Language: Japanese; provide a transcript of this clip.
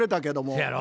そやろ？